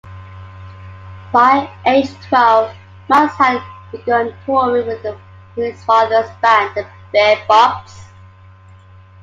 By age twelve, Miles had begun touring with his father's band, the Bebops.